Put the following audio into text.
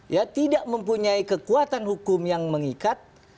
ya tidak mempunyai kekuatan hukum yang mengikat